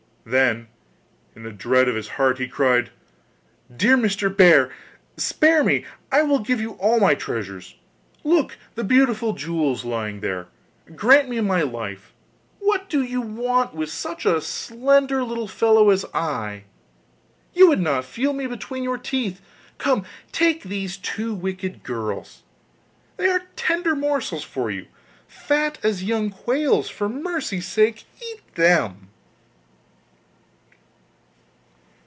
Then in the dread of his heart he cried: 'Dear Mr Bear, spare me, I will give you all my treasures; look, the beautiful jewels lying there! Grant me my life; what do you want with such a slender little fellow as I? you would not feel me between your teeth. Come, take these two wicked girls, they are tender morsels for you, fat as young quails; for mercy's sake eat them!